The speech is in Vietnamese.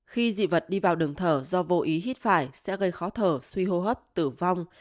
khi dị vật đi vào đường thở do vô ý hít phải sẽ gây khó thở suy hô hấp tử vong